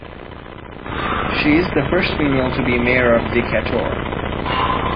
She is the first female to be mayor of Decatur.